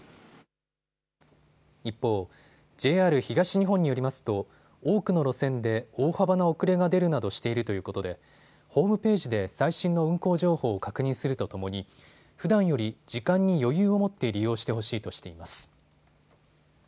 一方、ＪＲ東日本によりますと多くの路線で大幅な遅れが出るなどしているということでホームページで最新の運行情報を確認するとともにふだんより時間に余裕を持って利用してほしいとしています。